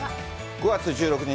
５月１６日